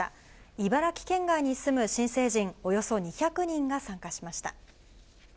茨城県内に住む新成人およそ２００人が参加しました。